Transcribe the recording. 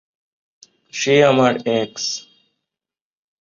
সে আমার এক্স।